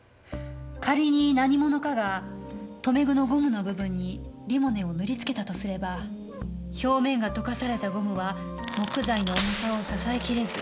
仮に何者かが留め具のゴムの部分にリモネンを塗りつけたとすれば表面が溶かされたゴムは木材の重さを支えきれず。